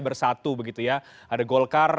bersatu begitu ya ada golkar